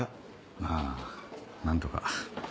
まぁ何とか。